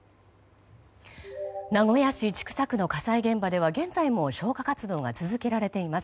名古屋市千種区の火災現場では現在も消火活動が続けられています。